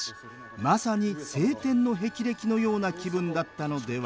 まさに青天の霹靂のような気分だったのでは？